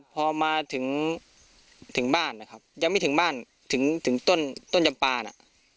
พอมาถึงบ้านนะครับยังไม่ถึงบ้านถึงต้นจำปลานะ